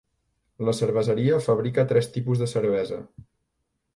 La cerveseria fabrica tres tipus de cervesa.